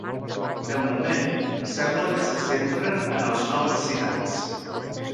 De moment, sembla que se centren en els no vaccinats.